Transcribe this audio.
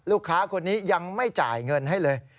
ลูกค้าคนนี้ยังไม่จ่ายเงินให้เลย